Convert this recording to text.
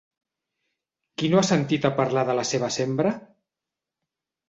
Qui no ha sentit a parlar de la seva sembra?